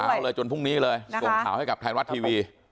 เอาเลยจนพรุ่งนี้เลยส่งข่าวให้กับไทยรัฐทีวี